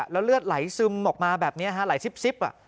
แล้วเลือดไหลซึมออกมาแบบนี้ฮะไหลซิบ